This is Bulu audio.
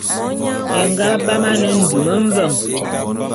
É nga bam ane ndum mveng.